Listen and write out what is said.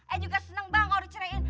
eh juga seneng bang kalau dicerain